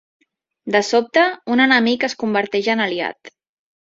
De sobte, un enemic es converteix en aliat.